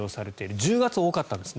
１０月、多かったんですね。